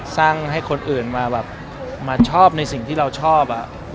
สร้างให้คนอื่นมาชอบในสิ่งที่เราชอบ